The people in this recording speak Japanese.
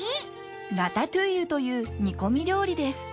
ラタトゥイユという煮込み料理です